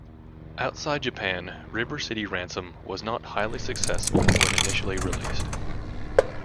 Outside Japan, "River City Ransom" was not highly successful when initially released.